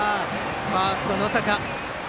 ファースト、能坂。